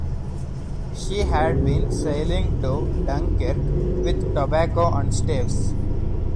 She had been sailing to Dunkirk with tobacco and staves.